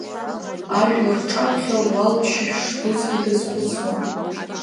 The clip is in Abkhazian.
Ажәлар рҿаԥхьа луалԥшьа шдузгьы дазхәыцлон.